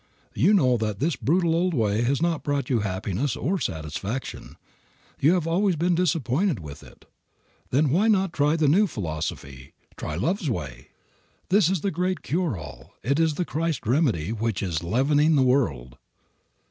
You know that this old brutal way has not brought you happiness or satisfaction; you have always been disappointed with it, then why not try the new philosophy, try love's way? It is the great cure all, it is the Christ remedy which is leavening the world.